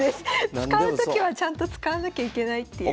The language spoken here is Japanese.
使うときはちゃんと使わなきゃいけないっていう。